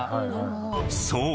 ［そう。